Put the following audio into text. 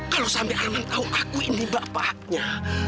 kalau sampai arman tahu aku ini bapaknya